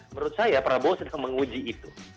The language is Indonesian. menurut saya prabowo sedang menguji itu